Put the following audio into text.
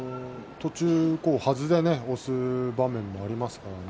途中、はずで押す場面もありますからね。